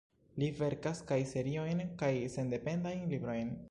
Li verkas kaj seriojn kaj sendependajn librojn.